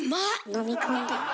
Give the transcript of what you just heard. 飲み込んだ。